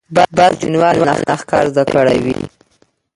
باز د کوچنیوالي نه ښکار زده کړی وي